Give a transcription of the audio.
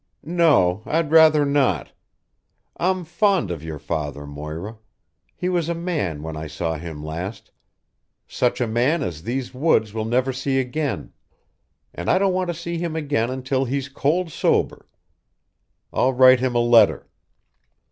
"No, I'd rather not. I'm fond of your father, Moira. He was a man when I saw him last such a man as these woods will never see again and I don't want to see him again until he's cold sober. I'll write him a letter.